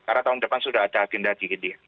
karena tahun depan sudah ada agenda g dua puluh